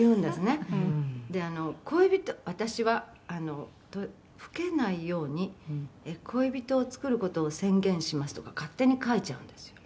「で“私は老けないように恋人を作る事を宣言します”とか勝手に書いちゃうんですよ」